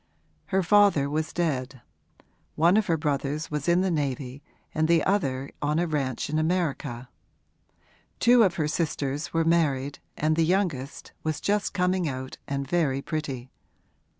Her father was dead; one of her brothers was in the navy and the other on a ranch in America; two of her sisters were married and the youngest was just coming out and very pretty.